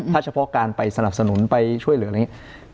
ถ้าเฉพาะการไปสนับสนุนไปช่วยเหลืออะไรอย่างนี้